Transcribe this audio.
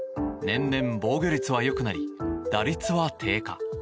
年々、防御率は良くなり打率は低下。